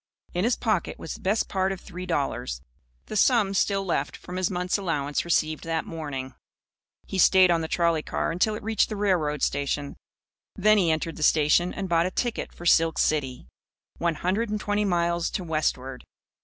In his pocket was the best part of three dollars, the sum still left from his month's allowance received that morning. He stayed on the trolley car until it reached the railroad station. Then he entered the station and bought a ticket for Silk City one hundred and twenty miles to westward.